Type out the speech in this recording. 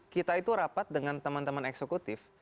kita itu rapat dengan teman teman eksekutif